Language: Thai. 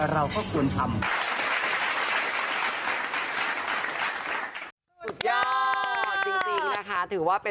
เราก็ควรทำ